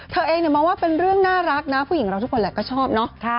เธอเองมองว่าเป็นเรื่องน่ารักนะผู้หญิงเราทุกคนแหละก็ชอบเนาะ